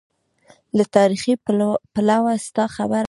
له تاریخي پلوه ستا خبره سمه ده.